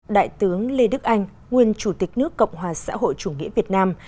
đại tướng lê đức anh nguyên chủ tịch nước cộng hòa xã hội chủ nghĩa việt nam